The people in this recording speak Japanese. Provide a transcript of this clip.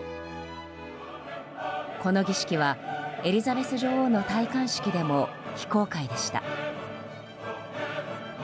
この儀式はエリザベス女王の戴冠式でも非公開でした。